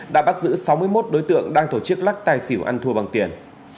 đã bắt giữ sáu mươi một đối tượng đang tổ chức lắc tài xỉu ăn thua bằng tiền